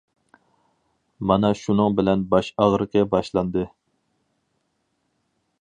مانا شۇنىڭ بىلەن باش ئاغرىقى باشلاندى.